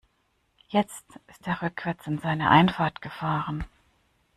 Jetzt ist er rückwärts in seine Einfahrt gefahren.